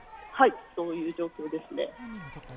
そういう状況です。